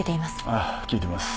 ああ聞いてます。